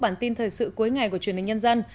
bản tin thời sự cuối ngày của truyền hình nhân dân